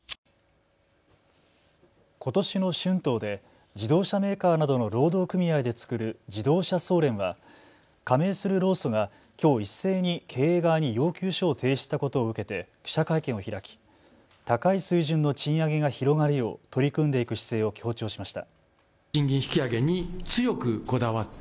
ことしの春闘で自動車メーカーなどの労働組合で作る自動車総連は加盟する労組がきょう一斉に経営側に要求書を提出したことを受けて記者会見を開き高い水準の賃上げが広がるよう取り組んでいく姿勢を強調しました。